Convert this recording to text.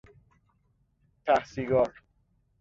ته سیگار